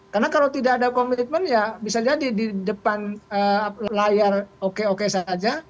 karena kalau tidak ada komitmen ya bisa jadi di depan layar oke oke saja